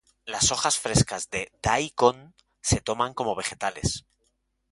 Las hojas frescas de "daikon" se toman como vegetales.